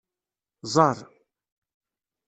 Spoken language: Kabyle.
Ẓer.